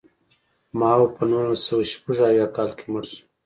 ماوو په نولس سوه شپږ اویا کال کې مړ شو.